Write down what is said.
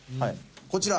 こちら。